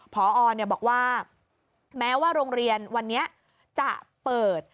พอบอกว่าแม้ว่าโรงเรียนวันนี้จะเปิด